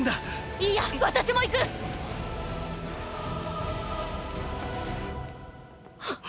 いいや私も行く！っ！